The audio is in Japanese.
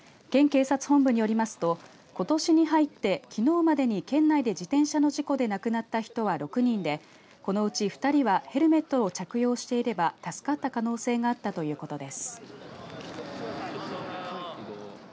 県警察本部によりますとことしに入って、きのうまでに県内で自転車の事故で亡くなった人は６人で、このうち２人はヘルメットを着用していれば助かった可能性があったということです。